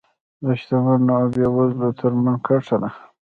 د شتمنو او بېوزلو ترمنځ کرښه ده.